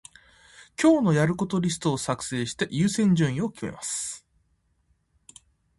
今日のやることリストを作成して、優先順位を決めます。